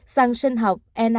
xăng sân học là tám